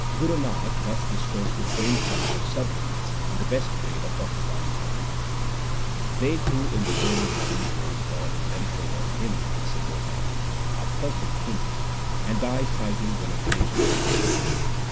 Guru Nanak thus discoursed to Prem Chand of Sarhind on the best way of occupying time : They who in the early morning praise God and meditate on Him with single heart, Are perfect kings, and die fighting when occasion ariseth.